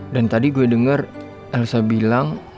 dan tadi gua denger elsa bilang